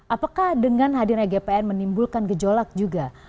apakah dengan hadirnya gpn menimbulkan gejolak juga